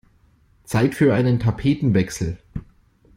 Zeit für einen Tapetenwechsel!